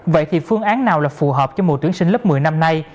vậy thì phương án nào là phù hợp cho mùa tuyển sinh lớp một mươi năm nay